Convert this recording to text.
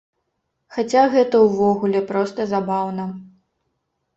Хаця гэта ўвогуле проста забаўна.